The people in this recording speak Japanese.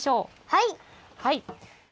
はい。